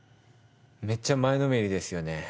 めっちゃ前のめりですよね